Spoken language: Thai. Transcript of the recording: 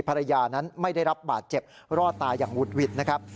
ภรรยานั้นไม่ได้รับบาดเจ็บรอดตายอย่างหุดหวิดนะครับ